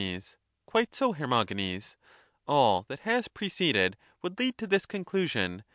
Quite so, Hermogenes ; all that has preceded would lead to this conclusion.